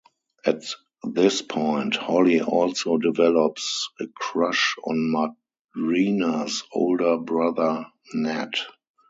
At this point, Holly also develops a crush on Marina's older brother Nat.